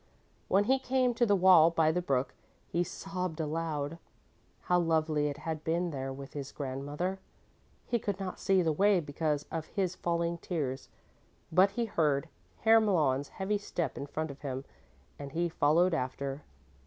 When he came to the wall by the brook, he sobbed aloud. How lovely it had been there with his grandmother! He could not see the way because of his falling tears, but he heard Herr Malon's heavy step in front of him, and he followed after.